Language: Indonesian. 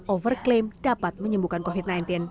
overklaim dapat menyembuhkan covid sembilan belas